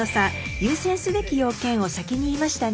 優先すべき要件を先に言いましたね。